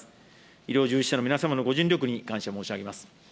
医療従事者の皆様のご尽力に感謝申し上げます。